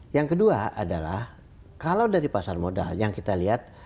yang kedua adalah kalau dari pasar modal yang kita lihat